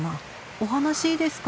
お話いいですか？